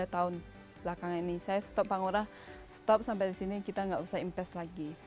tiga tahun belakangan ini saya stop penguara stop sampai disini kita gak usah invest lagi